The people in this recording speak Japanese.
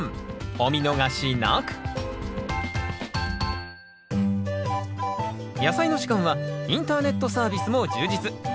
お見逃しなく「やさいの時間」はインターネットサービスも充実。